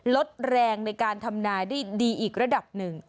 ลดแรงในการทำนาได้ดีอีกระดับหนึ่ง